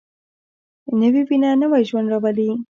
نوې وینه نوی ژوند راولي